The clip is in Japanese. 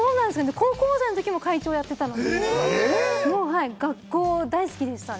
高校生の時も会長をやっていたので、学校大好きでした。